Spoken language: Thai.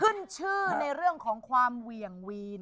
ขึ้นชื่อในเรื่องของความเหวี่ยงวีน